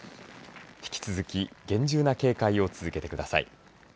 引き続き厳重な警戒を続けてください。